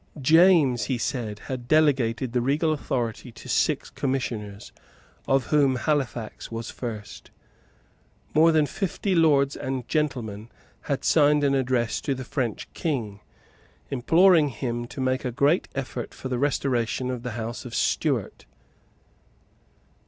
James, he said, had delegated the regal authority to six commissioners, of whom Halifax was first. More than fifty lords and gentlemen had signed an address to the French King, imploring him to make a great effort for the restoration of the House of Stuart.